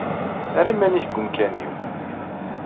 Err iman-nnek deg wemkan-inu.